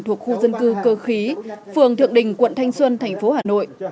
thuộc khu dân cư cơ khí phường thượng đình quận thanh xuân thành phố hà nội